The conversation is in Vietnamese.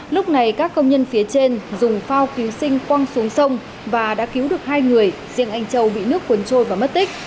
lúc này các công nhân phía trên dùng phao cứu sinh quăng xuống sông và đã cứu được hai người riêng anh châu bị nước cuốn trôi và mất tích